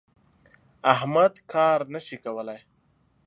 احمد کار نه شي کولای.